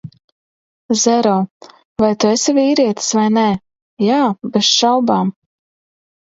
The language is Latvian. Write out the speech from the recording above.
-Zero, vai tu esi vīrietis vai nē? -Jā, bez šaubām!